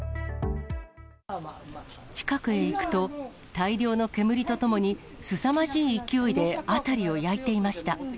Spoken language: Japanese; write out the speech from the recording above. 近くへ行くと、大量の煙とともに、すさまじい勢いで辺りを焼いていました。